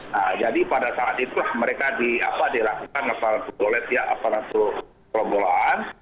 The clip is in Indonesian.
nah jadi pada saat itu mereka dilakukan apalagi itu golep ya apalagi itu kelembolaan